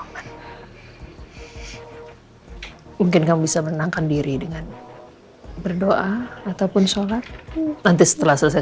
mungkin kamu bisa menangkan diri dengan berdoa ataupun sholat nanti setelah selesai